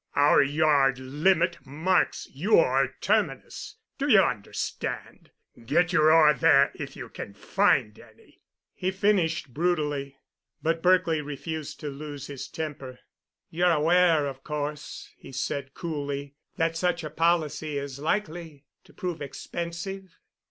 Our yard limit marks your terminus—do you understand? Get your ore there if you can find any," he finished brutally. But Berkely refused to lose his temper. "You're aware, of course," he said coolly, "that such a policy is likely to prove expensive?"